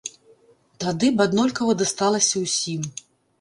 Тады б аднолькава дасталася ўсім.